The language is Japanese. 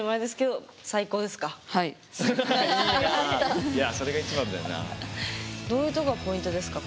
どういうとこがポイントですか？